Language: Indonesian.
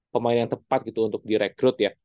pemain yang tepat gitu untuk direkrut ya